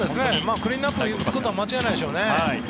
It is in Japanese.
クリーンアップを打つことは間違いないでしょうね。